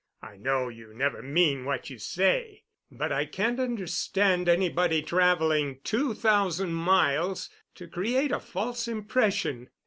I know you never mean what you say, but I can't understand anybody traveling two thousand miles to create a false impression.